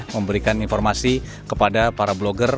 memberikan informasi kepada para blogger